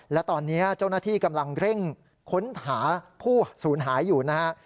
และตอนนี้เจ้าหน้าที่กำลังเร่งค้นหาผู้สูญหายอยู่นะฮะ